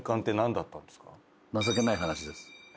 情けない話です。